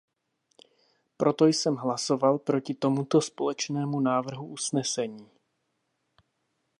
Proto jsem hlasoval proti tomuto společnému návrhu usnesení.